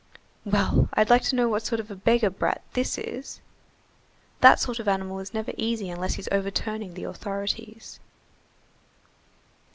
"Well, I'd like to know what sort of a beggar's brat this is?" "That sort of animal is never easy unless he's overturning the authorities."